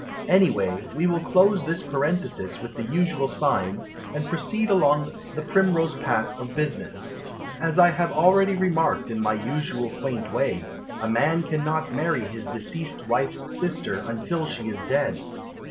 Anyway, we will close this parenthesis With the usual sign, And proceed along the primrose path Of business) As I have already remarked In my usual quaint way, A man cannot marry His deceased wife's sister Until she is dead.